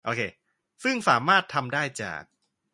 ซึ่งสามารถทำได้จาก